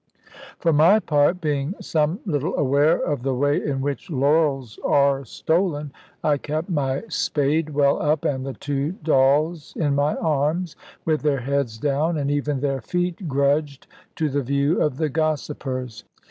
For my part, being some little aware of the way in which laurels are stolen, I kept my spade well up, and the two dolls in my arms, with their heads down, and even their feet grudged to the view of the gossipers.